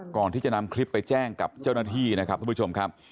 ก่อนที่จะนำคลิปไปแจ้งกับเจ้าหน้าที่นะครับทุกผู้ชมครับ